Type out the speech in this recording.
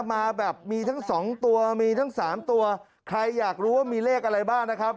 มาแบบมีทั้งสองตัวมีทั้งสามตัวใครอยากรู้ว่ามีเลขอะไรบ้างนะครับ